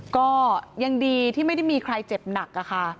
ก็ยังดีที่ไม่ได้มีใครเจ็บหนักค่ะ